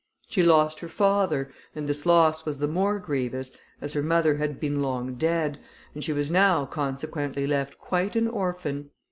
She lost her father, and this loss was the more grievous, as her mother had been long dead, and she was now consequently left quite an orphan.